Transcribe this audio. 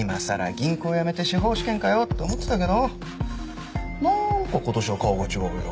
銀行辞めて司法試験かよって思ってたけどなんか今年は顔が違うよ。